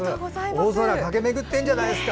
大空駆け巡ってるじゃないですか。